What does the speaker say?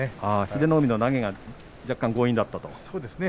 英乃海の投げはちょっと強引だったと。